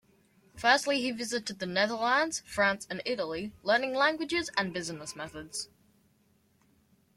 Firstly he visited the Netherlands, France, and Italy, learning languages and business methods.